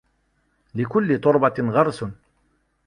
لِكُلِّ تُرْبَةٍ غَرْسٌ